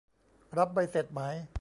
รับใบเสร็จไหม